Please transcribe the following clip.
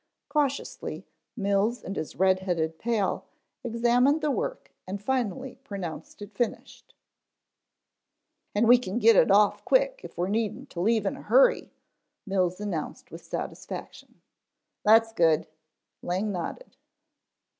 Cautiously Mills and his red headed pal examined the work and finally pronounced it finished. "And we can get it off quick if we're needin' to leave in a hurry," Mills announced with satisfaction. "That's good," Lang nodded.